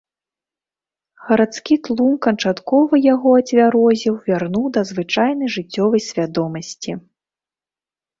Гарадскі тлум канчаткова яго ацвярозіў, вярнуў да звычайнай жыццёвай свядомасці.